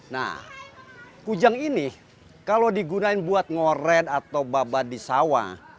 nah kujang ini kalau digunakan buat ngoret atau babat di sawah